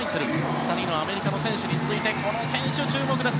２人のアメリカ選手に続いてこの選手に注目です。